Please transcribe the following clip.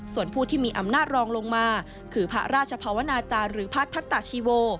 ส่วนผู้ที่มีอำนาจรองลงมาคือพระราชภาวนาจารย์หรือพระทัตตาชีโว